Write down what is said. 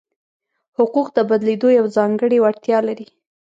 حقوق د بدلېدو یوه ځانګړې وړتیا لري.